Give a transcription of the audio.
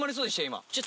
今。